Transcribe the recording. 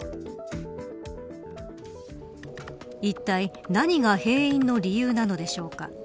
いったい、何が閉院の理由なんでしょうか。